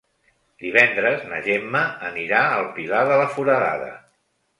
Divendres na Gemma anirà al Pilar de la Foradada.